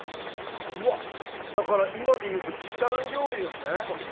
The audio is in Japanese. だから、今でいうと時短料理ですね。